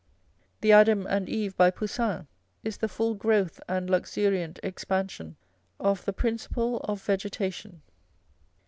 The Adam and Eve by Poussin is the full growth and luxuriant expansion of the principle of vegetation.